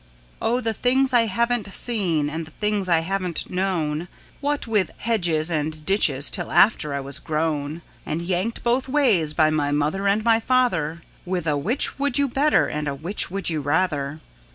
Oh, the things I haven't seen and the things I haven't known, What with hedges and ditches till after I was grown, And yanked both ways by my mother and my father, With a 'Which would you better?" and a "Which would you rather?"